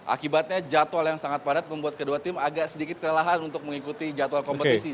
akibatnya jadwal yang sangat padat membuat kedua tim agak sedikit kelelahan untuk mengikuti jadwal kompetisi